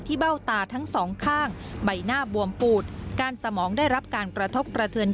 ที่เบ้าตาทั้งสองข้างใบหน้าบวมปูดการสมองได้รับการกระทบ